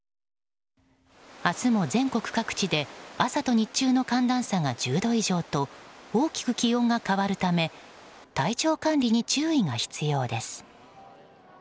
明日も、全国各地で朝と日中の寒暖差が１０度以上と大きく気温が変わるため体調管理に注意が必要です。